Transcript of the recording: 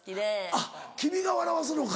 あっ君が笑わすのか。